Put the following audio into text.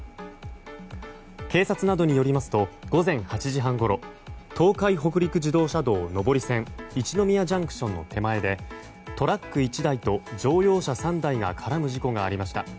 警察などによりますと午前８時半ごろ東海北陸自動車道上り線一宮ＪＣＴの手前でトラック１台と乗用車３台が絡む事故がありました。